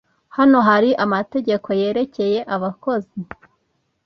Hano hari amategeko yerekeye abakozi?